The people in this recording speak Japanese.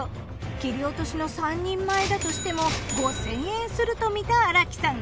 切り落としの３人前だとしても５，０００円するとみた荒木さん。